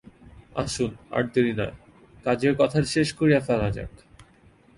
আসুন, আর দেরি নয়, কাজের কথাটা শেষ করিয়া ফেলা যাক!